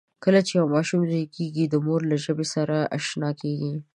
کله چې یو ماشوم زېږي، د مور له ژبې سره آشنا کېږي.